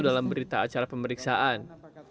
dalam berita acara pemeriksaan